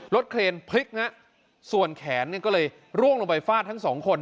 เครนพลิกฮะส่วนแขนเนี่ยก็เลยร่วงลงไปฟาดทั้งสองคน